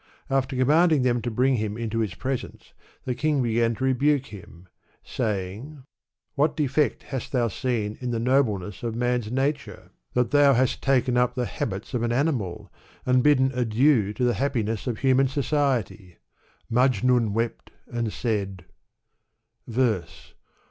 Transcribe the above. After command ing them to bring him into his presence, the king began to rebuke him, saying, " What defect hast thou seen in the nobleness of man's nature that thou hast as Digitized by Google j Gulistan; or, Rose Garden. 299 taken up the habits of an animal, and bidden adieu to the happiness of human society ?" Majnun wept and said, Verse.